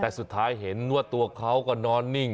แต่สุดท้ายเห็นว่าตัวเขาก็นอนนิ่ง